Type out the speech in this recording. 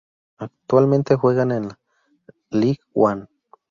Actualmente juegan en la League One.